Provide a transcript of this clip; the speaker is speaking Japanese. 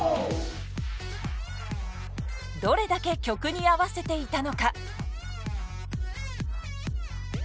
どれだけ曲に合わせていたのか。